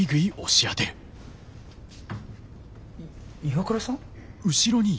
岩倉さん？